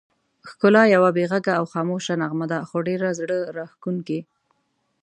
ښکلا یوه بې غږه او خاموشه نغمه ده، خو ډېره زړه راښکونکې.